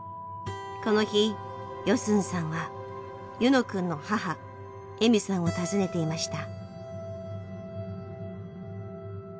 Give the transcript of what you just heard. この日ヨスンさんはユノくんの母エミさんを訪ねていました。